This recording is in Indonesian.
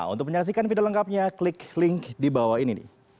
untuk menyaksikan video lengkapnya klik link di bawah ini